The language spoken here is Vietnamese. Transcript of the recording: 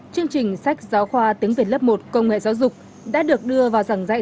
chương trình sách giáo khoa tiếng việt lớp một công nghệ giáo dục đã được đưa vào giảng dạy